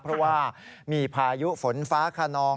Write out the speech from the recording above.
เพราะว่ามีพายุฝนฟ้าขนอง